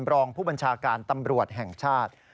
รองผู้บัญชาการตำรวจแห่งชาติ